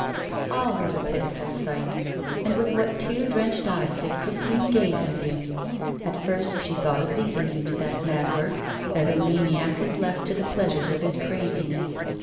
Ah, what a pitiful sight! And with what tear drenched eyes did Christine gaze at him! At first she thought of leaving him to that mad work, as a maniac is left to the pleasures of his craziness.